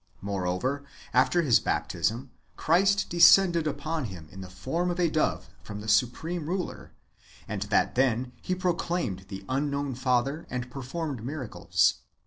Moreover, after his baptism, Christ descended upon him in the form of a dove from the Supreme Ruler, and that then he proclaimed the unknown Father, and performed miracles.